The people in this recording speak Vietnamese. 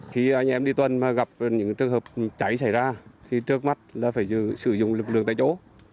khi anh em đi tuần mà gặp những trường hợp cháy xảy ra thì trước mắt là phải sử dụng lực lượng tại chỗ